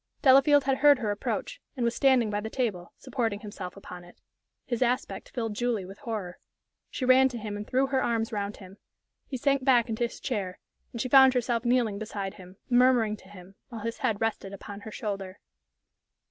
Delafield had heard her approach, and was standing by the table, supporting himself upon it. His aspect filled Julie with horror. She ran to him and threw her arms round him. He sank back into his chair, and she found herself kneeling beside him, murmuring to him, while his head rested upon her shoulder.